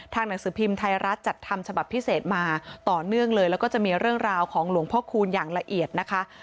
หนังสือพิมพ์ไทยรัฐจัดทำฉบับพิเศษมาต่อเนื่องเลยแล้วก็จะมีเรื่องราวของหลวงพ่อคูณอย่างละเอียดนะคะ